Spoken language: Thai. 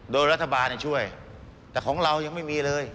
โดยรัฐบาลช่วยแต่ของเรายังไม่มีเลย